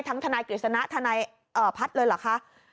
ทนายกฤษณะทนายพัฒน์เลยเหรอคะ